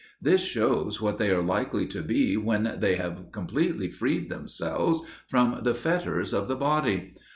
This shows what they are likely to be when they have completely freed themselves from the fetters of the body.